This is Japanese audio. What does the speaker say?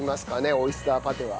オイスターパテは。